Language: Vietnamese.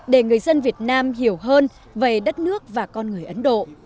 để người dân việt nam hiểu hơn về đất nước và con người ấn độ